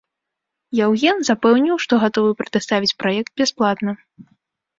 Яўген запэўніў што гатовы прадаставіць праект бясплатна.